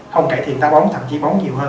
không cải thiện ta bóng thậm chí bóng nhiều hơn